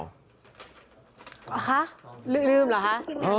ครับลืมหรอฮะ